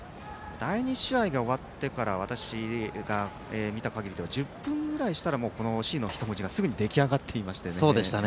第２試合が終わってから私が見た限りでは１０分ぐらいしたら「Ｃ」の人文字が出来上がっていましたね。